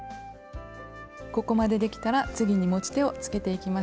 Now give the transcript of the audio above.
ここまでできたら次に持ち手をつけていきますよ。